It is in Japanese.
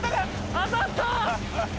当たった！